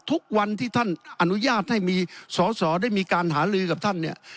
ทุกวันที่ท่านอนุญาตให้มีสอสอได้มีการหาลือกับท่านเนี่ย